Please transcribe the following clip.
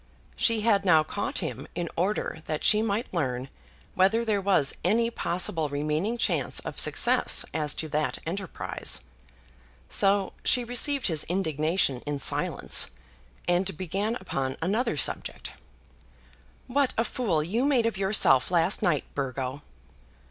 She had now caught him in order that she might learn whether there was any possible remaining chance of success as to that enterprise. So she received his indignation in silence, and began upon another subject. "What a fool you made of yourself last night, Burgo!"